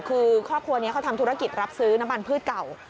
คือครอบครัวนี้เขาทำธุรกิจรับซื้อน้ำมันพืชเก่า